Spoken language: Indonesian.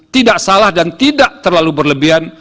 tidak salah dan tidak terlalu berlebihan